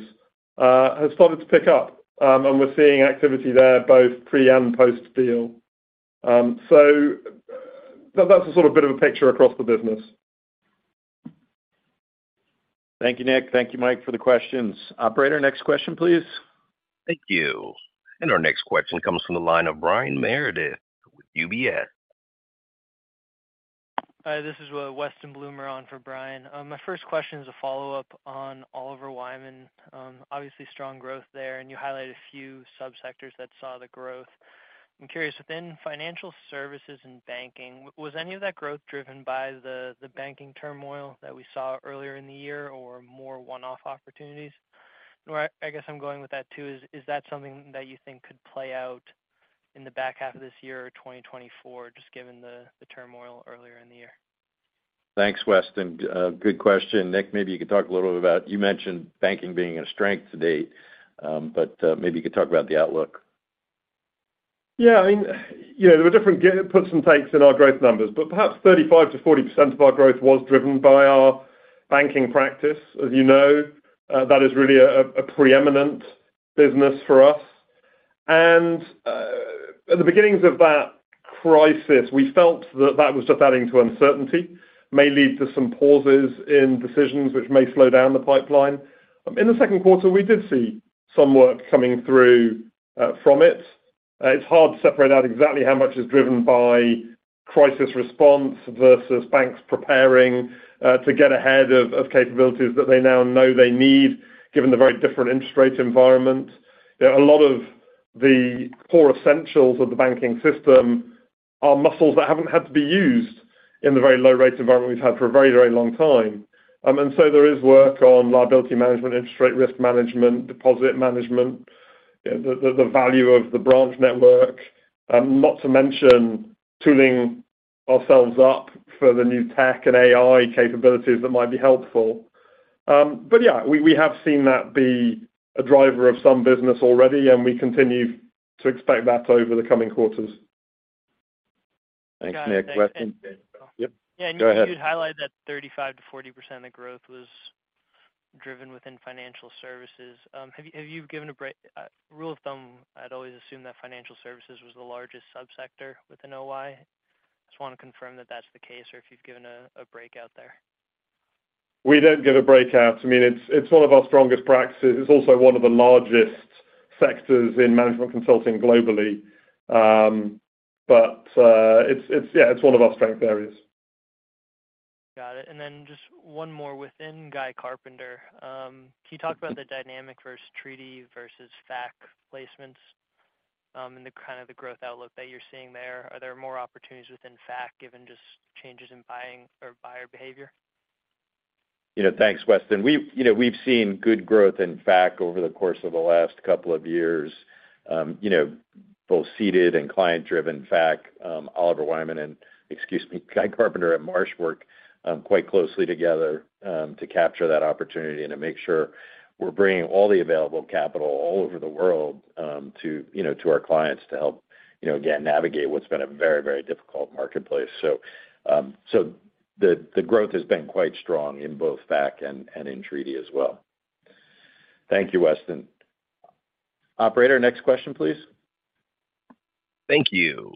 has started to pick up, and we're seeing activity there, both pre- and post-deal. That, that's a sort of bit of a picture across the business. Thank you, Nick. Thank you, Mike, for the questions. Operator, next question, please. Thank you. Our next question comes from the line of Brian Meredith with UBS. Hi, this is Weston Bloomer on for Brian. My first question is a follow-up on Oliver Wyman. Obviously, strong growth there, and you highlighted a few subsectors that saw the growth. I'm curious, within financial services and banking, was any of that growth driven by the banking turmoil that we saw earlier in the year, or more one-off opportunities? Where I guess I'm going with that, too, is that something that you think could play out in the back half of this year or 2024, just given the turmoil earlier in the year? Thanks, Weston. Good question. Nick, maybe you could talk a little bit about, you mentioned banking being a strength to date, but, maybe you could talk about the outlook. Yeah, I mean, you know, there were different puts and takes in our growth numbers, but perhaps 35%-40% of our growth was driven by our banking practice. As you know, that is really a preeminent business for us. At the beginnings of that crisis, we felt that that was just adding to uncertainty, may lead to some pauses in decisions which may slow down the pipeline. In the second quarter, we did see some work coming through from it. It's hard to separate out exactly how much is driven by crisis response versus banks preparing to get ahead of capabilities that they now know they need, given the very different interest rate environment. There are a lot of the core essentials of the banking system are muscles that haven't had to be used in the very low rate environment we've had for a very, very long time. There is work on liability management, interest rate risk management, deposit management, the value of the branch network, not to mention tooling ourselves up for the new tech and AI capabilities that might be helpful. Yeah, we have seen that be a driver of some business already, and we continue to expect that over the coming quarters. Thanks, Nick. Got it. Yep, go ahead. Yeah, you'd highlighted that 35%-40% of growth was driven within financial services. Have you given a rule of thumb, I'd always assumed that financial services was the largest subsector within OI. Just want to confirm that that's the case, or if you've given a breakout there. We don't give a breakout. I mean, it's one of our strongest practices. It's also one of the largest sectors in management consulting globally. Yeah, it's one of our strength areas. Got it. Just one more within Guy Carpenter. Can you talk about the dynamic versus treaty versus FAS placements, and the kind of the growth outlook that you're seeing there? Are there more opportunities within FAS, given just changes in buying or buyer behavior? You know, thanks, Weston. We've seen good growth in FAS over the course of the last couple of years, you know, both seeded and client-driven FAS. Oliver Wyman and, excuse me, Guy Carpenter at Marsh work quite closely together to capture that opportunity and to make sure we're bringing all the available capital all over the world to, you know, to our clients to help, you know, again, navigate what's been a very, very difficult marketplace. The growth has been quite strong in both FAS and in treaty as well. Thank you, Weston. Operator, next question, please. Thank you.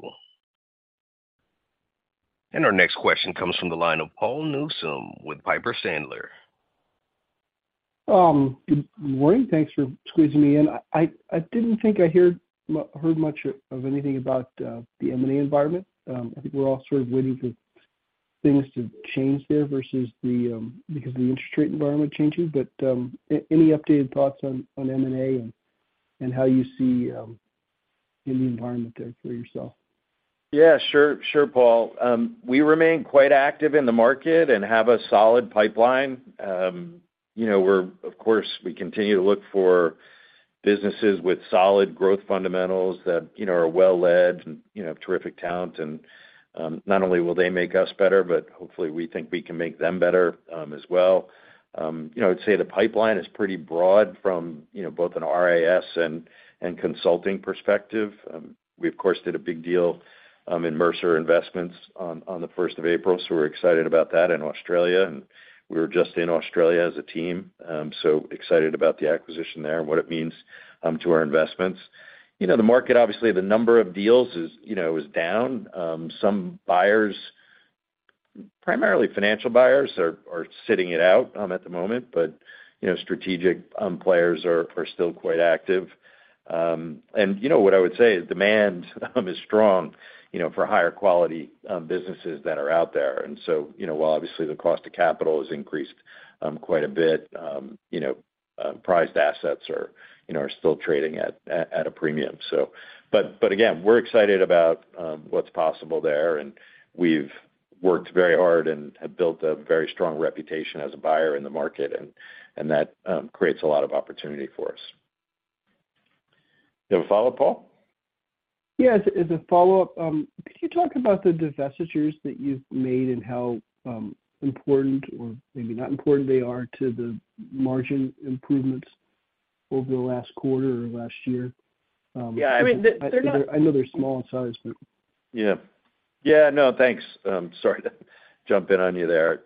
Our next question comes from the line of Paul Newsome with Piper Sandler. Good morning. Thanks for squeezing me in. I didn't think I heard much of anything about the M&A environment. I think we're all sort of waiting for things to change there versus the, because the interest rate environment changes. Any updated thoughts on M&A and how you see in the environment there for yourself? Yeah, sure. Sure, Paul. We remain quite active in the market and have a solid pipeline. You know, of course, we continue to look for businesses with solid growth fundamentals that, you know, are well led and, you know, have terrific talent. Not only will they make us better, but hopefully, we think we can make them better, as well. You know, I'd say the pipeline is pretty broad from, you know, both an RAS and consulting perspective. We, of course, did a big deal in Mercer Investments on the 1st of April, so we're excited about that in Australia, and we were just in Australia as a team. So excited about the acquisition there and what it means to our investments. You know, the market, obviously, the number of deals is, you know, is down. Some buyers, primarily financial buyers, are sitting it out at the moment, but, you know, strategic players are still quite active. You know, what I would say is demand is strong, you know, for higher quality businesses that are out there. You know, while obviously the cost of capital has increased quite a bit, you know, prized assets are still trading at a premium. Again, we're excited about what's possible there, and we've worked very hard and have built a very strong reputation as a buyer in the market, and that creates a lot of opportunity for us. You have a follow-up, Paul? Yes, as a follow-up, could you talk about the divestitures that you've made and how important or maybe not important they are to the margin improvements over the last quarter or last year? Yeah, I mean, they're... I know they're small in size. Yeah. Yeah, no, thanks. Sorry to jump in on you there.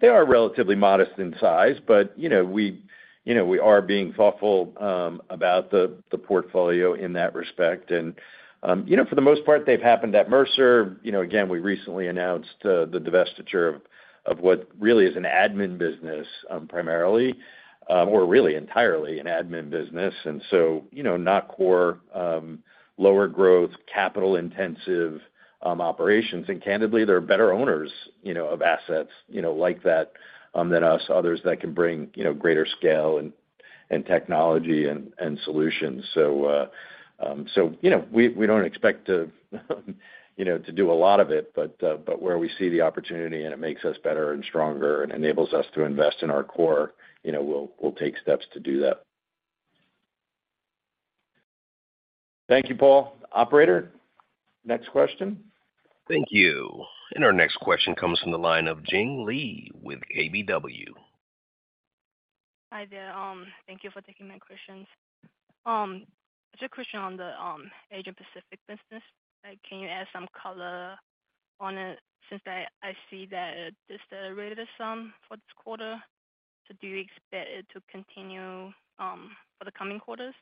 They are relatively modest in size, but, you know, we, you know, we are being thoughtful about the portfolio in that respect. For the most part, you know, they've happened at Mercer. You know, again, we recently announced the divestiture of what really is an admin business, primarily or really entirely an admin business. Not core, you know, lower growth, capital-intensive operations. Candidly, there are better owners, you know, of assets, you know, like that than us, others that can bring, you know, greater scale and technology and solutions. So, you know, we don't expect to, you know, to do a lot of it. Where we see the opportunity and it makes us better and stronger and enables us to invest in our core, you know, we'll take steps to do that. Thank you, Paul. Operator, next question. Thank you. Our next question comes from the line of Jing Li with KBW. Hi there. Thank you for taking my questions. Just a question on the Asia Pacific business. Can you add some color on it, since I see that it deteriorated some for this quarter? Do you expect it to continue for the coming quarters?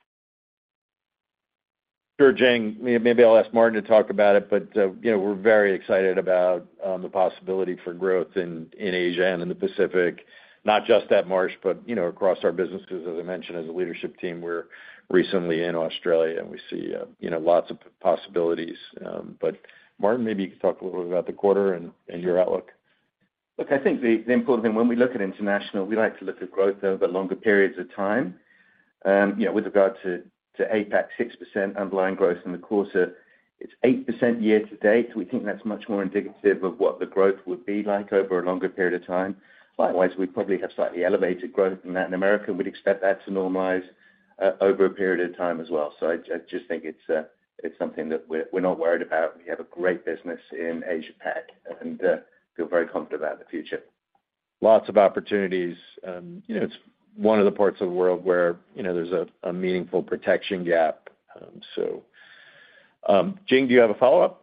Sure, Jing. Maybe I'll ask Martin to talk about it, you know, we're very excited about the possibility for growth in Asia and in the Pacific, not just at Marsh, but, you know, across our business. 'Cause as I mentioned, as a leadership team, we're recently in Australia, and we see, you know, lots of possibilities. Martin, maybe you could talk a little bit about the quarter and your outlook. Look, I think the important thing when we look at international, we like to look at growth over longer periods of time. You know, with regard to APAC, 6% underlying growth in the quarter, it's 8% year-to-date. We think that's much more indicative of what the growth would be like over a longer period of time. Likewise, we probably have slightly elevated growth from that in America. We'd expect that to normalize over a period of time as well. I just think it's something that we're not worried about. We have a great business in Asia-Pac and feel very confident about the future. Lots of opportunities. you know, it's one of the parts of the world where, you know, there's a meaningful protection gap. Jing, do you have a follow-up?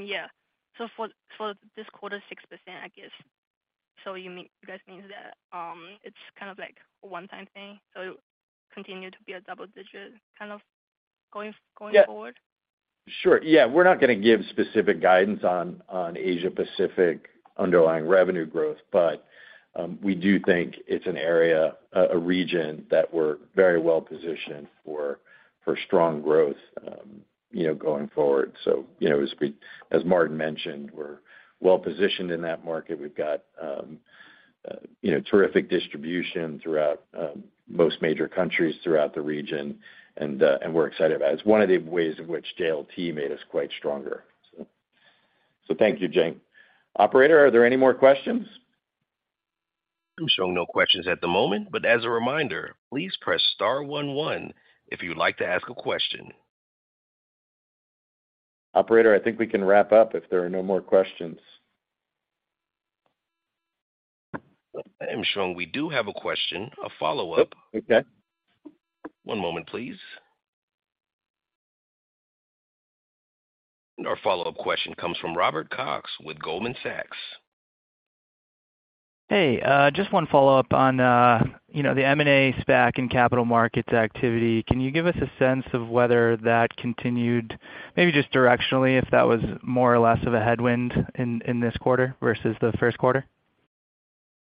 Yeah. For this quarter, 6%, I guess, you guys mean that, it's kind of like a one-time thing, it'll continue to be a double-digit going forward? Sure, yeah. We're not going to give specific guidance on Asia Pacific underlying revenue growth, but we do think it's an area, a region that we're very well positioned for strong growth, you know, going forward. You know, as Martine mentioned, we're well positioned in that market. We've got, you know, terrific distribution throughout most major countries throughout the region, and we're excited about it. It's one of the ways in which JLT made us quite stronger. Thank you, Jing. Operator, are there any more questions? I'm showing no questions at the moment, but as a reminder, please press star one one if you'd like to ask a question. Operator, I think we can wrap up if there are no more questions. I am showing we do have a question, a follow-up. Okay. One moment, please. Our follow-up question comes from Robert Cox with Goldman Sachs. Hey, just one follow-up on, you know, the M&A SPAC and capital markets activity. Can you give us a sense of whether that continued, maybe just directionally, if that was more or less of a headwind in this quarter versus the first quarter?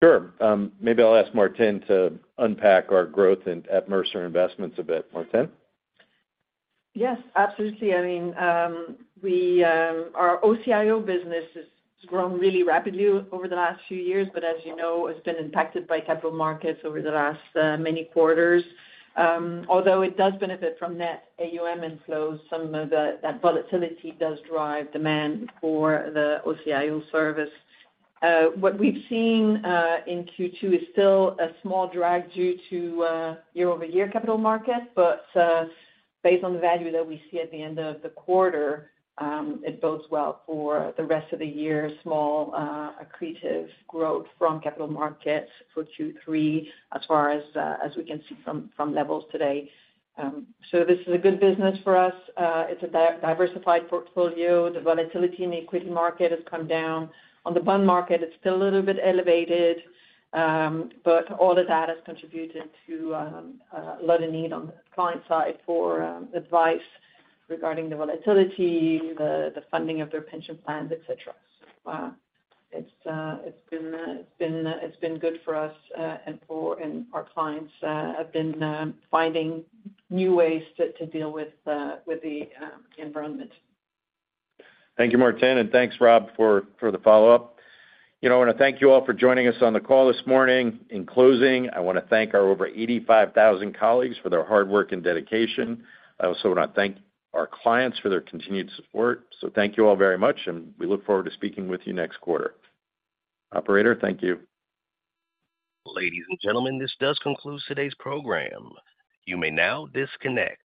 Sure. maybe I'll ask Martine to unpack our growth in, at Mercer Investments a bit. Martine? Yes, absolutely. I mean, we, our OCIO business has grown really rapidly over the last few years, but as you know, has been impacted by capital markets over the last many quarters. Although it does benefit from net AUM inflows, some of the that volatility does drive demand for the OCIO service. What we've seen in Q2 is still a small drag due to year-over-year capital markets, but based on the value that we see at the end of the quarter, it bodes well for the rest of the year. Small accretive growth from capital markets for Q3, as far as we can see from levels today. This is a good business for us. It's a diversified portfolio. The volatility in the equity market has come down. On the bond market, it's still a little bit elevated, but all of that has contributed to a lot of need on the client side for advice regarding the volatility, the funding of their pension plans, et cetera. It's been good for us, and our clients have been finding new ways to deal with the environment. Thank you, Martine, and thanks, Rob, for the follow-up. You know, I want to thank you all for joining us on the call this morning. In closing, I want to thank our over 85,000 colleagues for their hard work and dedication. I also want to thank our clients for their continued support. Thank you all very much, and we look forward to speaking with you next quarter. Operator, thank you. Ladies and gentlemen, this does conclude today's program. You may now disconnect.